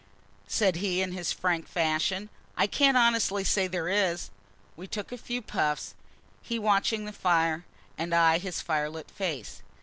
said he, in his frank fashion; "I can't honestly say there is." We took a few puffs, he watching the fire, and I his firelit face.